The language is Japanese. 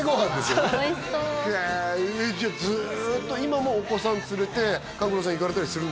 おいしそうじゃずーっと今もお子さん連れて勘九郎さん行かれたりする？